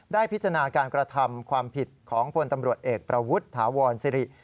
พิจารณาการกระทำความผิดของพลตำรวจเอกประวุฒิถาวรสิริ